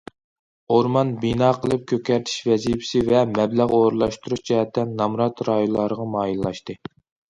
ئورمان بىنا قىلىپ كۆكەرتىش ۋەزىپىسى ۋە مەبلەغ ئورۇنلاشتۇرۇش جەھەتتە نامرات رايونلارغا مايىللاشتى.